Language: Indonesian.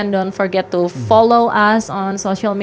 dan jangan lupa follow kita di media sosial